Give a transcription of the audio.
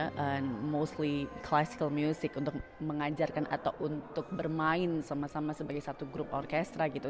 khususnya musik klasik untuk mengajarkan atau untuk bermain sama sama sebagai satu grup orkestra gitu